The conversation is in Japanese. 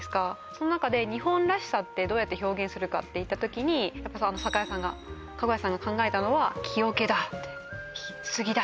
その中で日本らしさってどうやって表現するかといった時酒屋さんが籠屋さんが考えたのは木桶だって杉だ！